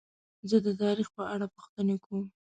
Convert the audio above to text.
زه د تاریخ په اړه پوښتنې کوم.